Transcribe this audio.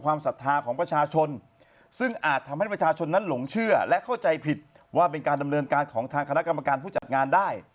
ว่าเป็นการดำเนินการของทางคณะกรรมการผู้จัดงานได้